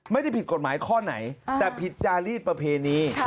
ไม่ได้ผิดกฎหมายข้อไหนแต่ผิดจารีดประเพณี